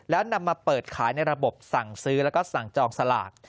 แล้วนำมาเปิดขายในระบบสั่งซื้อแล้วก็สั่งจองสลาก